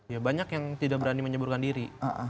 ya banyak yang tidak berani menyeburkan diri